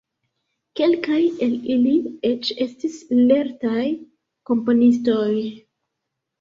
Kelkaj el ili eĉ estis lertaj komponistoj.